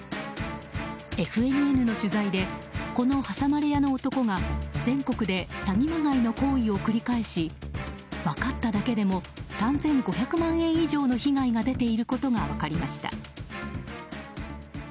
ＦＮＮの取材でこの挟まれ屋の男が全国で詐欺まがいの行為を繰り返し分かっただけでも３５００万円以上の被害が出ていることが分かりました。